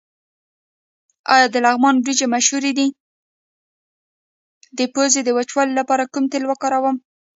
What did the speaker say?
د پوزې د وچوالي لپاره کوم تېل وکاروم؟